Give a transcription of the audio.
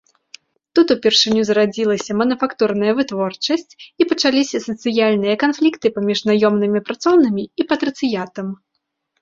Тут упершыню зарадзілася мануфактурная вытворчасць і пачаліся сацыяльныя канфлікты паміж наёмнымі працоўнымі і патрыцыятам.